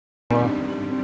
nggak mau ngerti